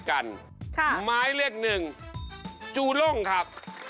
ค่ะไม้เล็กหนึ่งจูล่งครับ